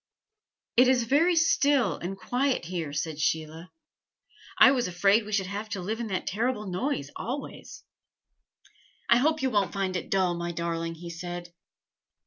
"It is very still and quiet here," said Sheila. "I was afraid we should have to live in that terrible noise always." "I hope you won't find it dull, my darling," he said.